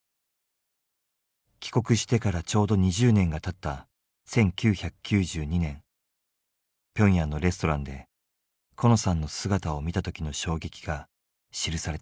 帰国してからちょうど２０年がたった１９９２年ピョンヤンのレストランでコノさんの姿を見た時の衝撃が記されています。